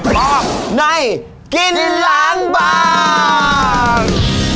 พร้อมในกินร้างบาง